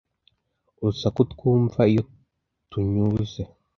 Urusaku twumva iyo tunyuze